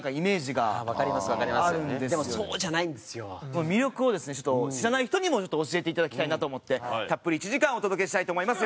この魅力をですねちょっと知らない人にも教えていただきたいなと思ってたっぷり１時間お届けしたいと思います。